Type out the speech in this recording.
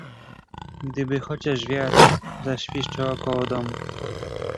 "Gdyby chociaż wiatr zaświszczał około domu!"